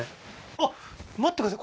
あっ待ってください